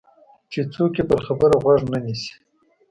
چې څوک یې پر خبره غوږ نه نیسي.